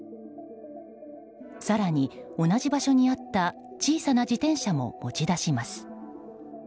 更に、同じ場所にあった小さな自転車も持ち出します。